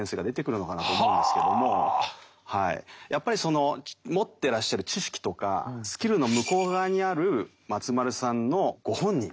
やっぱりその持ってらっしゃる知識とかスキルの向こう側にある松丸さんのご本人。